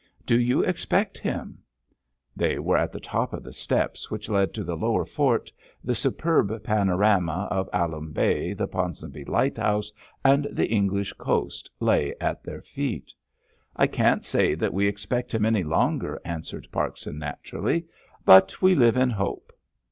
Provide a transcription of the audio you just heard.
"Do you expect him?" They were at the top of the steps which led to the lower fort, the superb panorama of Alum Bay, the Ponsonby Lighthouse and the English coast lay at their feet. "I can't say that we expect him any longer," answered Parkson, naturally, "but we live in hope!"